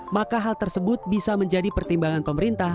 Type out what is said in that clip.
maka hal tersebut bisa menjadi pertimbangan pemerintah